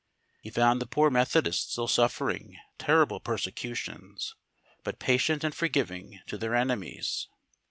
He found the poor Methodists still suffering terrible persecutions, but patient and forgiving to their enemies.